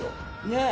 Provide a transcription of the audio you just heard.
ねえ。